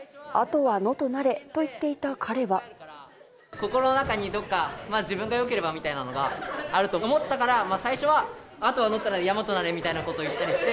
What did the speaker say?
心の中にどっか、自分がよければみたいなのがあると思ったから、最初は、後は野となれ山となれみたいなことをいったりして。